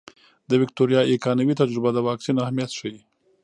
د ویکتوریا ایکانوي تجربه د واکسین اهمیت ښيي.